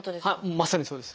まさにそうです。